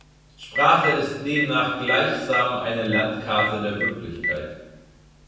Sprache ist demnach gleichsam eine Landkarte der Wirklichkeit.